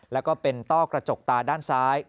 แล้วก็เป็นต้อกระจกตาด้านซ้าย